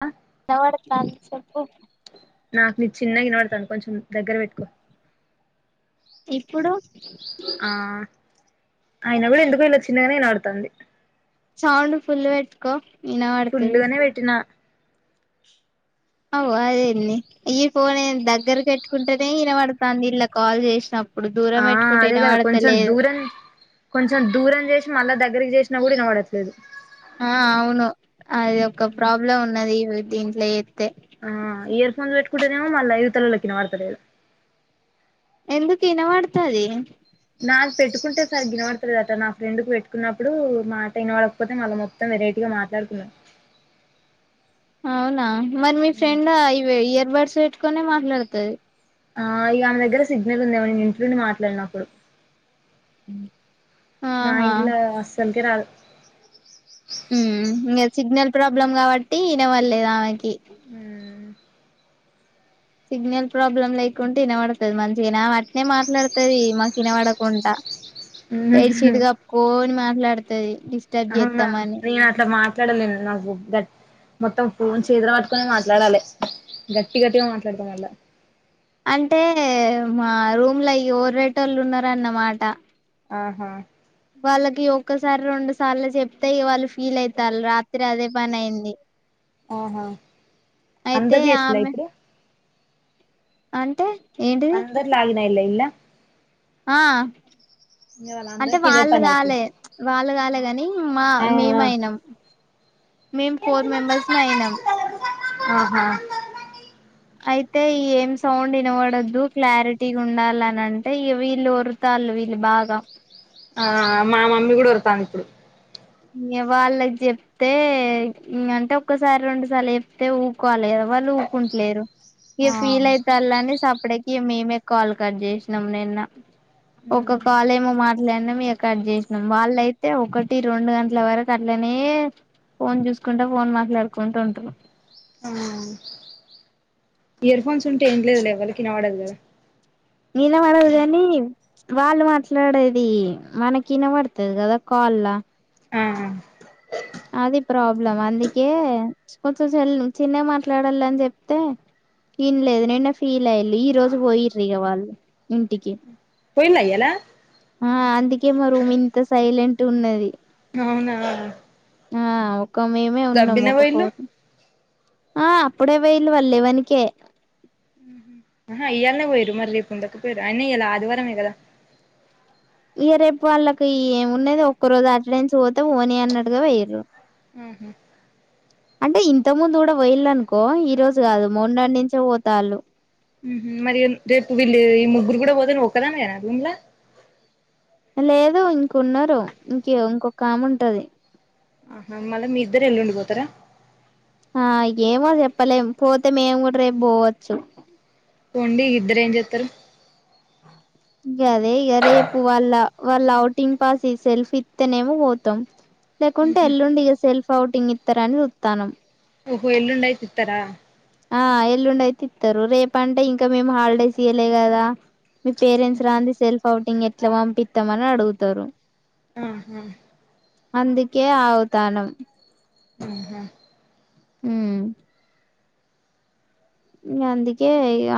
అ ఇనబడ్తంది చేప్పు నాకు నీది చిన్నగ వినబడ్తాంది. కొంచెం దగ్గర వేట్టుకో ఇప్పుడు ఆ అయినా కూడా ఎందుకో ఇల్ల చిన్నగానే ఇనబడ్తంది. సౌండ్ ఫుల్ వేట్టుకో ఫుల్లుగనే వేట్టినా అగో అదేంది ఈ ఫోనేంది దగ్గర పెట్టుకుంటేనే వినబడ్తంది. ఇల్ల కాల్ చేసినప్పు ఆ అదే కదా కొంచెం దూరం కొంచెం దూరం చేసి మళ్ళా దగ్గరకి చేసి నా కూడ వినవడట్లేదు. ఆ అవును అది ఒక ప్రాబ్లం ఉన్నది. దీంట్ల చెత్తే ఆ ఇయర్ ఫోన్స్ పెట్టుకుంటనేమో మళ్ళా ఇవుతలొల్లకు వినబడ్తలేదు. ఎందుకు వినవడ్తది నాకు పెట్టుకుంటే సరిగ్గ వినబడ్తలేదట నా ఫ్రెండ్ కు పెట్టుకున్నప్పుడు మాట వినవడకపోతే మళ్ళ మొత్తం వెరైటీగా మాట్లాడుకున్నారు. అవునా మరి మీ ఫ్రెండ్ ఆ ఇయార్ వర్స్ పెట్టుకొనే మాట్లాడుతది ఆ ఇగ ఆమె దగ్గర సిగ్నల్ ఉందేమో నేను ఇంట్లుండి మాట్లాడిన ఆప్పుడు మా ఆహా ఇంట్ల అస్సల్ రాదు [unintelligible] సిగ్నల్ ప్రాబ్లం కాబట్టి ఇనబల్లేదు ఆమెకి రాదు సిగ్నల్ ప్రాబ్లం లేకుంటె వినబడ్తది మంచిగనె ఆమాట్నె మాట్లాడుతది మాకు వినబడకుంట బెడ్ షీట్ కప్పుకోని మ ట్లాడుతది అవునా నేను అట్లా మాట్లాడలేను నాకు గట్ మొత్తం ఫోన్ చేతలు పట్టుకొని మాట్లాడాలె గట్టి గట్టిగా మాట్లాడత మళ్ళ అంటే మా రూమ్ల ఈ ఒర్రేటోల్లు ఉన్నారన్నమాట ఆహా వాళ్ళకి ఒక్కసారి రెండు సార్లు చెప్తే వాళ్ళు ఫీల్ అయితారు రాత్రి అదే పని అయింది ఆహా అయితే అందరూ చేసిరా ఆమె ఇప్పుడు అంటే ఏంటిది అందరు లాగ్ [unintelligible] ఆ అంటే వాళ్ళందరికి ఇదే వాళ్ళు పని అయితది కాలే వాళ్ళు కాలే కాని మా ఆ ఆ మేమయినాం మేము ఫోర్ మెంబర్స్ మే అయినాం ఆహా అయితే ఏం సౌండ్ వినవడదు క్లారిటీ ఉండాలని అంటే వీళ్ళు వరుతళు వీళ్ళు బాగా ఆ మా మమ్మీ కూడా వడతాంది ఇప్పుడు ఇ వాళ్ళకి చెప్తే అంటే ఒక్కసారి రెండుసార్లు చెప్తే ఊకోవాలి కదా వాళ్ళు ఊకుంటలేరు ఇ ఆ ఫీల్ అయితార్లే అని సప్పడెకి మేమే కాల్ కట్ చేసినం నిన్న ఒక కాలేమో మాట లనే మ కట్ చేసినాం వాళ్ళయితే ఒకటి రెండు గంటల వరకు అట్లనే ఫోన్ చూసుకుంటా ఫోన్ మాట్లాడుకుంటూ ఉంటారు ఆ ఇయర్ఫోన్స్ ఉంటే విన్లేరులే వాళ్ళకి వినపడదు కదా నిన పడదు కాని వాళ్ళు మాట్లాడేది మనకిన పడుతుది కదా కాల్ ల ఆ అది ప్రాబ్లం అందుకే కొంచెంల్ చిన్న మాట్లాడాలని చెప్తే విన్లేదు నిన్న ఫీల్ అయి ఈ రోజు పోయిర్రీ వాళ్ళు ఇంటికి పోయిన్న ఇయ్యాల ఆ అందుకే మా రూమ్ ఇంత సైలెంట్ ఉన్నది అవునా ఆ ఒక మేమే ఉన్నాము దబ్బిన ఒక పోయిల్లు ఫోన్ ఆ అప్పుడే పోయిలు వాళ్ళు లేవన్ కే హా ఇయ్యాలనే పోయరు మరి రేపు ఉండకు పోయరు అయిన్న ఇయల ఆదివారమే కదా ఇ రేపు వాళ్ళకి ఏమున్నది ఒక్క రోజు అటడెన్స్ పోతే ఓనీ అన్నడుగా వయ్యు ఊహు అంటే ఇంత ముందు కూడా పోయిల్లనుకో ఈ రోజు కాదు మొన్న నుంచే పోతాళ్ళు ఊహు మరి రేపు వీళ్ళు ఈ ముగ్గురు కూడా పోతేని నువ్వు ఒక్కదానివేన ఇండ్ల లేదు ఇంకున్నారు ఇంక ఇంకొక ఆమె ఉంటది ఆహా మళ్ళీ మీ ఇద్దరు ఎల్లుండిపోతారా ఆ ఏమో చెప్పలేము పోతే మేము కూడా రేపు పోవచ్చు పోండి ఇద్దరేం చెతారు ఇక అదే ఇక రేపు వాళ్ళ వాళ్ళ అఔటింగ్ పాస్ సెల్ఫ్ ఇస్తేనేమో పోతాం లేకుంటే ఎల్లుండి ఇక సెల్ఫ్ ఫౌటింగ్ ఇస్తారని చుతానం ఓహో ఎల్లుండైతి ఇత్తరా ఆ ఎల్లుండైతే ఇత్తరు రేపంటే ఇంకా మేము హాలిడేస్ ఇయ్యలే కదా మీ పేరెంట్స్ రాంది సెల్ఫ్ అవుటింగ్ ఎట్లా పంపిత్తమని అడుగుతారు ఆహా అందుకే ఆవుతానం ఆహా ఉ అందుకే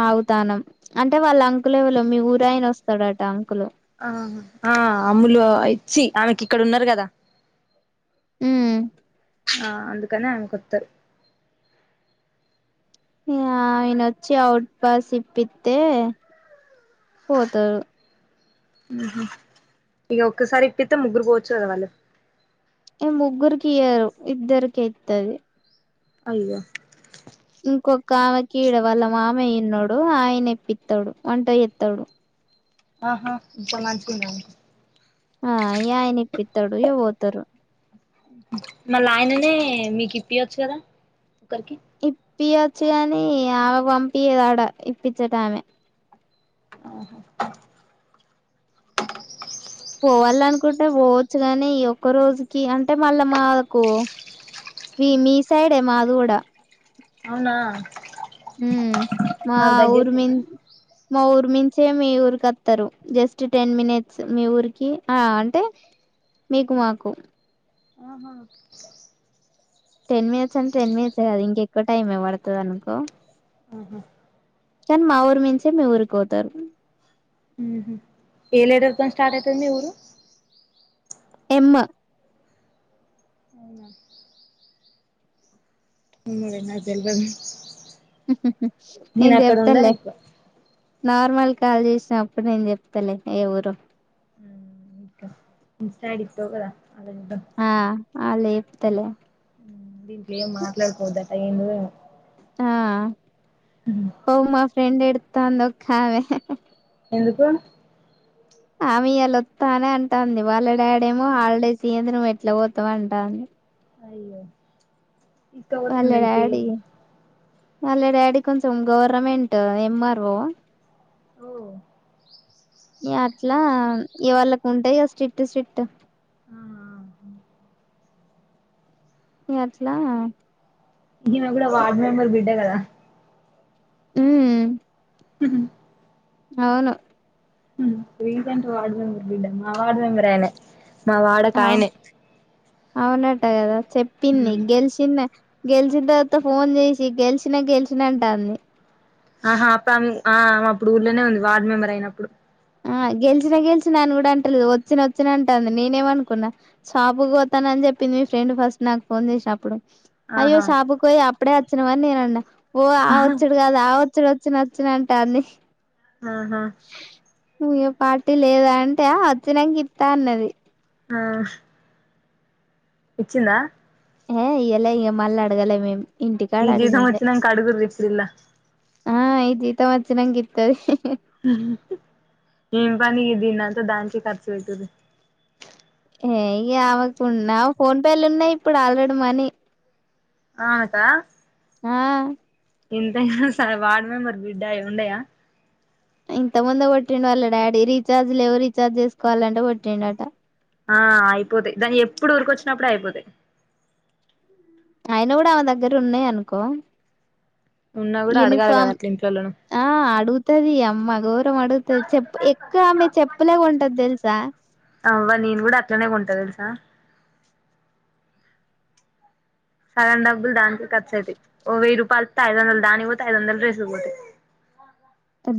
అగుతానం అంటే వాళ్ళ అంకులేవలో మీ ఊరయిన వస్తాడట అంకులు ఆ ఆ అమ్ములు ఇచ్చి ఆమెకి ఇక్కడ ఉన్నారు కదా ఉ ఆ అందుకనే ఆమెకొత్తరు ఊ ఆయనొచ్చి ఔట్ పాస్ ఇప్పితే పోతారు ఊహూ ఇగ ఒక్కసారి ఇప్పిత్తే ముగ్గురు పోవచ్చు కద వాళ్ళు ఏ ముగ్గురికియ్యరు ఇద్దరికే ఇత్తది అయ్యో ఇంకొక్క ఆమెకి ఈడ వాళ్ళ మామయ్యున్నాడు ఆయన ఇప్పిత్తాడు వంట చేత్తడు ఆహా ఇప్పడు మంచుకుందాం ఆ యాయన ఇప్పిత్తాడు [inaudible] పోతరు మళ్ళ ఆయననే మీకిప్పియోచ్చు కదా ఒక్కరికి పియొచ్చు కాని ఆమె పంపియ్యదాడ ఇప్పిచ్చేటామె ఓహో పోవాల అనుకుంటే పోవచ్చు కాని ఈ ఒక్క రోజుకి అంటే మళ్ళా మాకు మీ మీ సైడే మాది గూడ అవునా ఉమ్ మా మాకు దగ్గరనేనా ఊర్మిన్ మా ఊర్మి చ్చే మీ ఊరికి వత్తరు జస్ట్ టెన్ మినిట్స్ మీ ఊరికి ఆ అంటే మీకు మాకు ఆహా టెన్ మినిట్స్ అంటే టెన్ మినిట్స్ కదు ఇంక ఎక్కువ టైమ్ ఏ పడుతది అనుకో ఆహా కానీ మా ఊరు మించే మీ ఊరికి పోతారు ఏ లేటర్ తోని స్టార్ట్ అయితది మీ ఊరు ఎమ్ అవునా ఎమోలే నాకు తెల్వదు మ్మ్ హ్మ్ హ్మ్ నేను అక్కడ ఉండను చెప్తాలే ఎక్కువ నార్మల్ కాల్ చేసినప్పుడు నేను చెప్తలే ఏ ఊరో ఇన్స్ట ఐడి ఇస్తావ్ కద ఆ ఆ లేదు ఇత్తలే దీంట్లో ఏం మాట్లాడకోవద్దట ఏం ఊ ఏమో ఆ పో మా ఫ్రెండ్ ఏడ్ తాంది ఒక్కామె ఎందుకు ఆమెయియాల వత్తా అనే అంటాంది వాళ్ళ డాడేమో హాలిడేస్ ఇయ్యంది నువ్వు ఎట్లా పోతావు అంటాండు అయ్యో ఇక్కడా పోతే వాళ్ళ ఎంత అయితయి డాడీ వాళ్ళ డాడీ కొంచెం గవర్నమెంట్ ఎంఆర్ఓ ఓ అట్లా ఇ వాళకి ఉంటాయి స్ట్రిక్ట్ స్ట్రిట్ ఆ ఇగ అట్లా ఈమె కూడా వార్డ్ మెంబర్ బిడ్డ కదా మ్మ్ అవును రీసెంట్ వార్డ్ మెంబర్ మా వార్డ్ మెంబర్ ఆఏ మా వాడకి ఆయనే అవునంట కదా చెప్పింది ఉమ్ గెలిచింద గెలిచిన తర్వాత ఫోన్ చేసి గెలిచినా గెలిచిన అంటంది ఆహా అప్పుడు ఆమె అప్పుడు ఊర్లనే ఉంది వార్డ్ మెంబర్ అయినప్పుడు ఆ గెలిచినా గెలిచినాన్నను కూడా అంటలేదు వచ్చిన వచ్చిన అంటుంది, నేనేమనుకున్నా షాప్ కి పోతాన అని చెప్పింది మీ ఫ్రెండ్ ఫస్ట్ నాకు ఫోన్ చేసిన అప్పుడు అయ్యో ఆహా షాప్ కి పోయి అపుడే గెలిచినావా అన్ని నిను అన్న ఓ ఆహా ఆవచ్చుడు కాదు ఆవ వచ్చ వచ్చిన వచ్చినంట అన్ని ఆహా నువే పార్టీ లేద అంటే అచ్చిన గ ఇస్తా అన్నది ఆ ఇచ్చిందా ఏ ఇయలే ఇగా మళ్ళలా అడగాలే మేము ఇంటికాడ ఈ జీవితం అడిగిందే వచ్చినాక అడుగురి ఇప్పుడు ఇలా ఆ ఈ జీతం వచ్చినాక ఇతది ఉ పదవి దిగినక దానికే ఖర్చు ఉంటాది ఏ ఆవకు ఉన్నా ఫోన్ పే లో ఉన్నాయి ఇప్పుడు ఆల్రెడీ మనీ ఆ ఆక ఆ ఇంత సర వార్డ్ మెంబర్ బిడ్డయి ఉండయా ఇంత ముంద కోటిండు వాళ్ళ డాడీ రీచార్జ్ లేవు రీఛార్జ్ చేసుకోవాలంటే కోటిండు అట ఆ అయిపోతయి దాన్ని ఎప్పుడు ఊరిక వచ్చినప్పుడే అయిపోతయి ఆయన కూడా ఆమె దగ్గర ఉన్నాయి అనుకో ఉన్నా కూడా అడగాలి కదా యూనిఫామ్ అట్లా ఇంట్లోలను ఆ అడుగుతది అమ్మ ఘోరం అడుగుతుది చెప్పు ఎక్కువ ఆమె చెప్ ఉప్పలే ఉంటది తెల్సా అవ్వవా నేను కూడా అట్లనే కొంటా తెలుసా సగం డబ్బులు దానికి ఖర్చు అతయి, ఓ వెయ్యి రూపాయలతే ఐదు వందలు దానికి పోతే ఐదు వందలు రడ్రేస్ పోతాయి.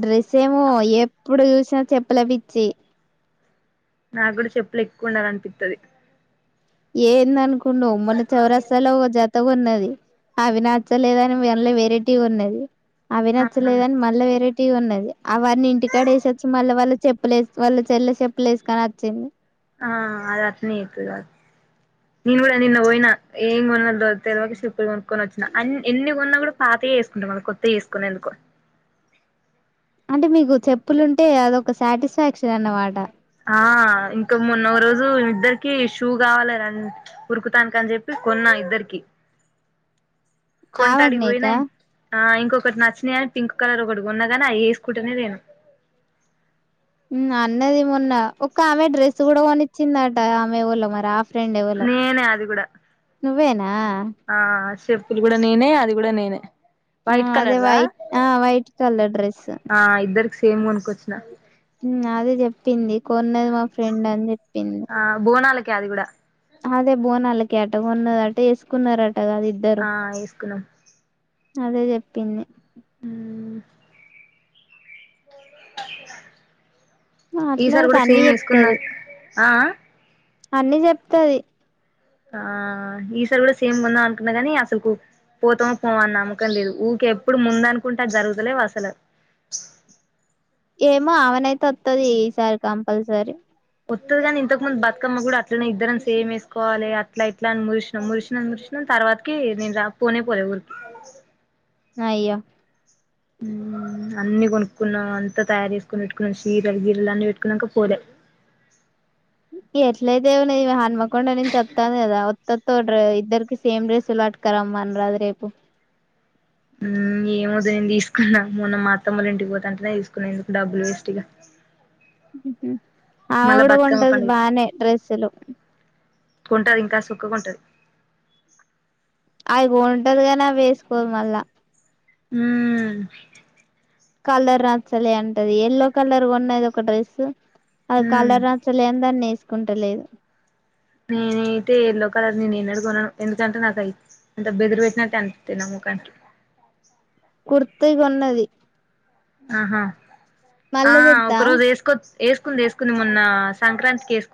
డ్రెస్ ఏమో ఎప్పుడు చూసినా చెప్పలే పిచ్చి నాకుడ చెప్పులు ఎక్కువ ఉండాల అనిపిత్తది ఎందన్ కు మొన్న చౌరా చాల ఓ జత కొన్నది అవి నచ్చలేదని మళ్ళ వేరేటి కొన్నది అవి ఆహా నచ్చలేద అని మళ్ళ వేరే తీ ఉన్నది అవ్వన్నీ ఇంటికాడ వేసొచ్చు మళ్ళ వాళ్ళ చెప్పులే వాళ్ళ చెల్ల చెప్పులేసుకొని వచ్చింది ఆ అది అట్లనే చేత్తది కాదు నేను కూడా నిన్న పోయిన ఏం కొన్నా తేల్వక చెప్పులు కొనుక్కొని వచ్చిన అన్ ఎన్ని కొన్నా కూడా పాతయే చేసుకుంటా మళ్ళ కొత్తయి వేసుకొను ఎందుకో అంటే మీకు చెప్పులుంటే అదొక సాటిస్ఫాక్షన్ అన్నమాట ఆ ఇంకా మొన్న ఒక రోజు ఇద్దరికి షూ కావాలి ఉరుకుతానీకి అని చెప్పి కొన్నా ఇద్దరికి కొంట ఆమెకు ఆడికి పోయిన నీకా ఆ ఇంకొకటి నచ్చినయని పింక్ కలర్ ఒకటి కొన్నా కాని అవి వేసుకుంటనే లేను హ్మ్ అన్నది మొన్న ఒక ఆమె డ్రెస్ కూడా కొనిచ్చిందట ఆమె ఎవలో మరి ఆప్ నేనే అది కూడా నువ్వేనా ఆ స్ చెప్పులు కూడా నేనే అది కూడా నేనే ఆ వైట్ అదే కలర్దా వైట్ ఆ వైట్ కలర్ డ్రెస్ ఆ ఇద్దరికి సేమ్ కొనుకొచ్చిన మ్మ్ అదే చెప్పింది కొన్నది మా ఫ్రెండ్ అని చెప్పి ఆ బోనాలకి కే అది కూడా అదే బోనాలకి అటు కొన్నది అటేసుకున్నార ఆ ఏసుకున్నాం అదే చెప్పింది మ్మ్ ఈసారి మాట్లాడితే కూడా అన్ని సేమ్ ఏసుకుందం ఆ అన్నీ చెప్తది ఆ ఈసారి కూడా సేమ్ కొందామనుకున్నా కాని అసలు పోతామో పోమో అని నమ్మకం లేదు ఊకె ఎప్పుడు ముందనుకుంటే అ జరుగుతలేవు అసలు ఏమో ఆమెనైతే వత్తది ఈసారి కంపల్సరీ ఒత్తది కాని ఇంతకు ముందు బతుకమ్మ కూడా అట్లనే ఇద్దరని సేమ్ వేసుకోవాలి అట్లా ఇట్లా అని చూసినం చూసినం చూసినం తర్వాతకి నేను రా పోనే పోలే ఊరికి అయ్యో మ్మ్ అన్ని కొనుక్కున్నాం అంతా తయారు చేసుకొని పెట్టుకున్నాం చీరలు గీరెలు అన్ని పెట్టుకున్నాక పోలే ఎట్లయితే ఏమున్నది హన్మకొండ నుంచి ఒత్తంది కదా వత్తోత్త ఒక డ్రె ఇద్దరికి సేమ్ డ్రెస్సులు పట్కరమ్మ అనరాదు రేపు ఊ ఏమోద్దు నేను తీసుకున్న మొన్న మా అత్తమ్మల ఇంటికి పోతే అంటేనే తీసుకున్నా ఎందుకు డబ్బులు వేస్ట్ ఇగ హ్మ్ హు మళ్ళా ఆవిడ బతుకమ్మ కొంటది పండుగకి బానే డ్రెస్లు కొంటది ఇంకా సొక్క కొంటాది అవి కొంటది కానీ అవి వేసుకోదు మళ్ళా మ్మ్ కలర్ నచ్చలే అంటది ఎల్లో కలర్ కొన్నది ఒక డ్రెస్సు అది మ్మ్ కలర్ నచ్చలే అని దాన్ని వేసుకొ కొంటలేదు నేనైతే ఎల్లో కలర్ నేను ఎన్నడు కొనను ఎందుకంటే నాకు అయి అంత బెదిరి పెట్టినట్టు అనిపిత్తది నా మొఖానికి కుర్తీ కొన్నది ఆహా ఆ మళ్ళ చేత్తా ఒక రోజు వేసుకోచ్ వేసుకుంది వేసుకుంది మొన్న సంక్రాంతికి వేసుకుంద్